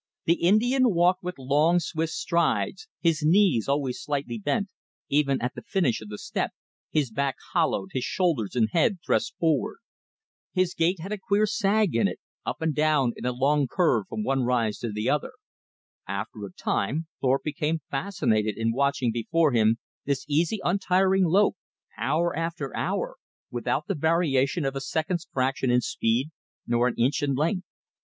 The Indian walked with long, swift strides, his knees always slightly bent, even at the finish of the step, his back hollowed, his shoulders and head thrust forward. His gait had a queer sag in it, up and down in a long curve from one rise to the other. After a time Thorpe became fascinated in watching before him this easy, untiring lope, hour after hour, without the variation of a second's fraction in speed nor an inch in length.